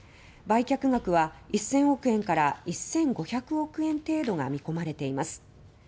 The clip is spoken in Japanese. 売却額は、１０００億円から１５００億円程度が見込まれています。